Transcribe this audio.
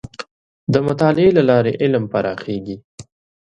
د مطالعې له لارې علم پراخېږي.